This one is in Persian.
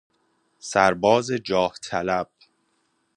سرباز جاه طلب